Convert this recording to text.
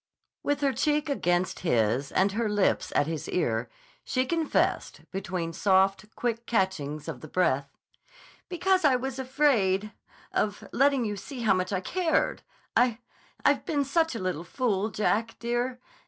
With her cheek against his and her lips at his ear, she confessed, between soft, quick catchings of the breath: "Because I was afraid—of letting you see how much I cared. I—I've been such a little fool, Jack, dear.